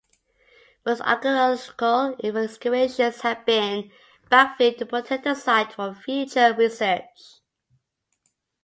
Most archaeological excavations have been backfilled to protect the site for future research.